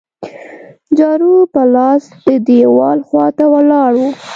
جارو په لاس د دیوال خوا ته ولاړ وو.